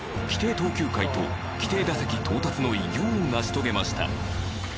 投球回と規定打席到達の偉業を成し遂げました。